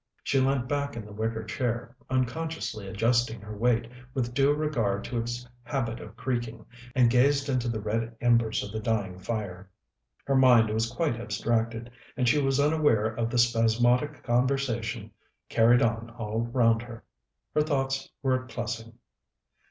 She leant back in the wicker chair, unconsciously adjusting her weight with due regard to its habit of creaking, and gazed into the red embers of the dying fire. Her mind was quite abstracted, and she was unaware of the spasmodic conversation carried on all round her. Her thoughts were at Plessing.